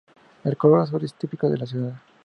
El color azul es típico de la ciudad.